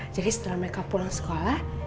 setelah mereka pulang sekolah